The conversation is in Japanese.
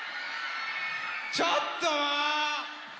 ちょっと！